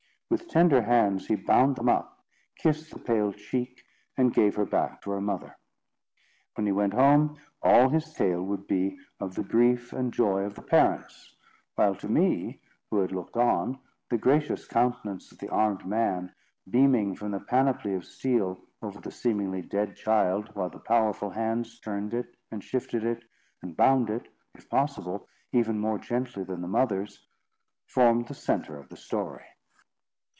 With tender hands he bound them up, kissed the pale cheek, and gave her back to her mother. When he went home, all his tale would be of the grief and joy of the parents; while to me, who had looked on, the gracious countenance of the armed man, beaming from the panoply of steel, over the seemingly dead child, while the powerful hands turned it and shifted it, and bound it, if possible even more gently than the mother's, formed the centre of the story.